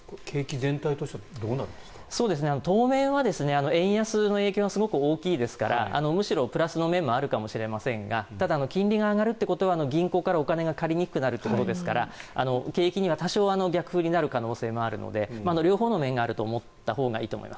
景気全体としては当面は円安の状況はすごく大きいですからプラスの面はあるかもしれませんがただ、金利が上がるということは銀行からお金が借りにくくなるということですから景気には多少逆風になる可能性がありますので両方の面があると。